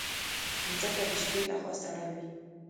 مځکه د شپې له خوا سړه وي.